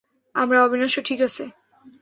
আমরা অবিনশ্বর, ঠিক আছে?